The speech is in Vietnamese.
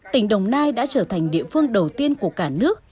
tỉnh đồng nai đã trở thành địa phương đầu tiên của cả nước